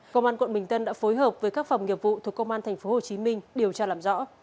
công an quận bình tân đã phối hợp với các phòng nghiệp vụ thuộc công an tp hcm điều tra làm rõ